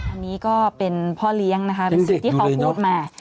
อันนี้ก็เป็นพ่อเลี้ยงนะคะเป็นสิ่งที่เขาพูดมา